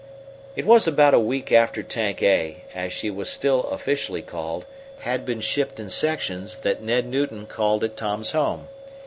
It was about a week after Tank A, as she was still officially called, had been shipped in sections that Ned Newton called at Tom's home.